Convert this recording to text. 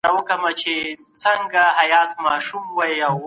حضوري ټولګي زده کوونکو ته عملي فعالیتونه وړاندې کړل.